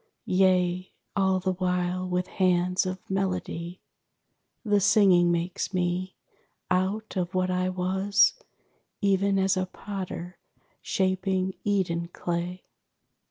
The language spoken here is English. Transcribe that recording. Yea, all the while with hands of melody, The singing makes me, out of what I was, Even as a potter shaping Eden clay.